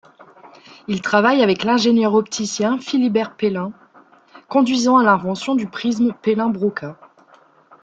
Il travaille avec l'ingénieur-opticien Philibert Pellin, conduisant à l'invention du prisme Pellin-Broca.